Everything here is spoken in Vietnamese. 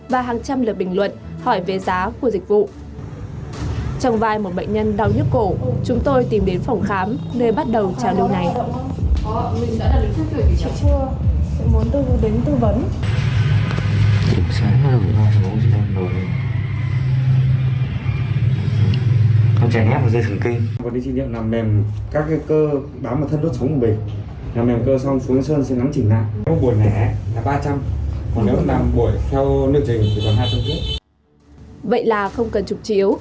vậy là không cần trả lời